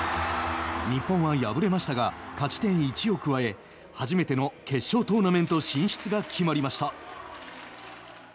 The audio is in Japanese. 日本は敗れましたが勝ち点１を加え初めての決勝トーナメント進出が決まりました。